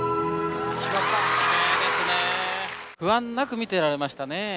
不安なく見てられましたね。